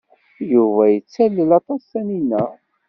Yuba yettalel aṭas Tanina.